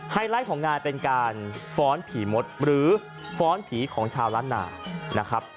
ไลท์ของงานเป็นการฟ้อนผีมดหรือฟ้อนผีของชาวล้านนานะครับ